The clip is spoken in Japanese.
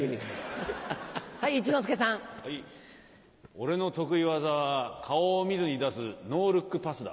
俺の得意技は顔を見ずに出すノールックパスだ。